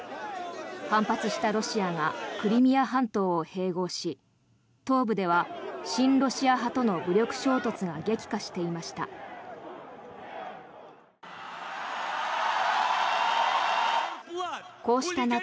反発したロシアがクリミア半島を併合し東部では親ロシア派との武力衝突が激化していました。